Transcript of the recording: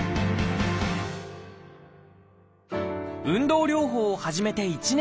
運動療法を始めて１年。